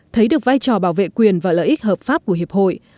thấy được vai trò bảo vệ quyền và lợi ích hợp pháp của hiệp hội